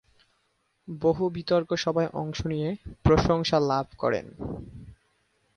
বহু বিতর্ক সভায় অংশ নিয়ে প্রশংসা লাভ করেন।